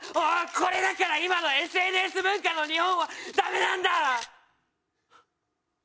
これだから今のＳＮＳ文化の日本はダメなんだ！